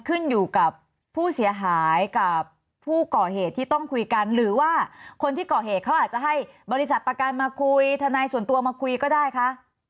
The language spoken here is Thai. คนที่ก่อเหตุเขาอาจจะให้บริษัทประกันมาคุยทนายส่วนตัวมาคุยก็ได้คะ